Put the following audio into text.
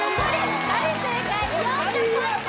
２人正解４０ポイント！